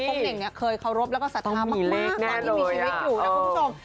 ที่โป๊งเน่งเคยเคารพและสัตว์ธรรมมากกว่าที่มีชีวิตอยู่นะคุณผู้ชม